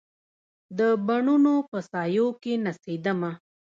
د بڼوڼو په سایو کې نڅېدمه